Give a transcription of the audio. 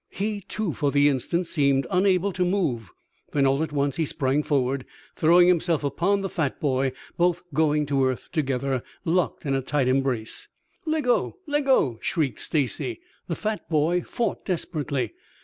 He, too, for the instant seemed unable to move. Then all at once he sprang forward, throwing himself upon the fat boy, both going to earth together, locked in a tight embrace. "Leggo! Leggo!" shrieked Stacy. The fat boy fought desperately.